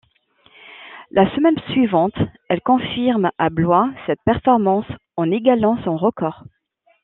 La semaine suivante, elle confirme à Blois cette performance en égalant son record.